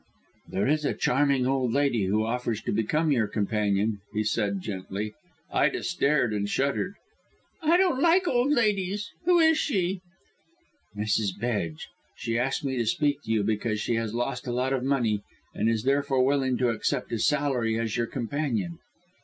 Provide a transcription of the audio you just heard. "There is a charming old lady who offers to become your companion," he said gently. Ida stared and shuddered. "I don't like old ladies. Who is she?" "Mrs. Bedge. She asked me to speak to you because she has lost a lot of money, and is therefore willing to accept a salary as your companion."